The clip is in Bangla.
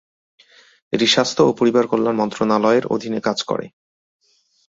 এটি স্বাস্থ্য ও পরিবার কল্যাণ মন্ত্রণালয়ের অধীনে কাজ করে।